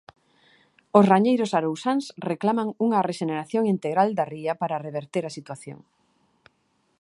Os rañeiros arousáns reclaman unha rexeneración integral da ría para reverter a situación.